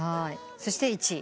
そして１位。